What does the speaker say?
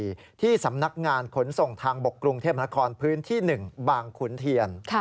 สอบใบขับขี่ที่สำนักงานขนส่งทางบกกรุงเทพมหาคลพื้นที่๑บางขุนเทียน